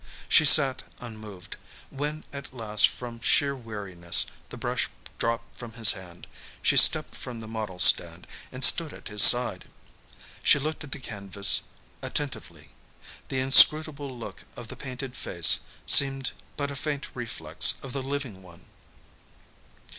She sat unmoved. When at last, from sheer weariness, the brush dropped from his hand, she stepped from the model stand, and stood at his side. She looked at the canvas attentively. The inscrutable look of the painted face seemed but a faint reflex of the living one.